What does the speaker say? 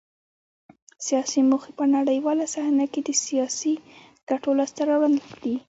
سیاسي موخې په نړیواله صحنه کې د سیاسي ګټو لاسته راوړل دي